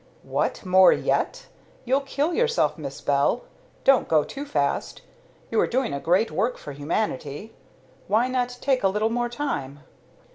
"What, more yet? You'll kill yourself, Miss Bell. Don't go too fast. You are doing a great work for humanity. Why not take a little more time?"